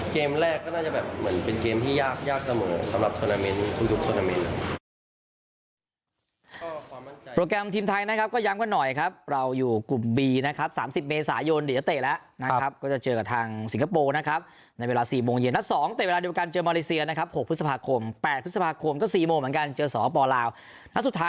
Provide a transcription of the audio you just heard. เกมแรกก็น่าจะเป็นเกมที่ยากเสมอสำหรับทุกทวนาเมนต์